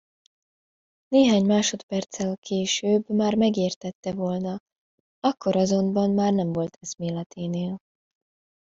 Néhány másodperccel később már megértette volna, akkor azonban már nem volt eszméleténél.